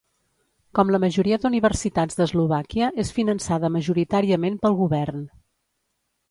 Com la majoria d'universitats d'Eslovàquia, és finançada majoritàriament pel govern.